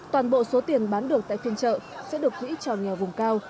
toàn bộ số tiền bán được tại phiên trợ sẽ được quỹ cho nghèo vùng cao